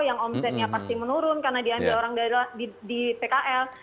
yang omsetnya pasti menurun karena diambil orang di pkl